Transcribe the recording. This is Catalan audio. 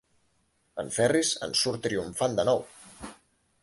En Ferris en surt triomfant de nou.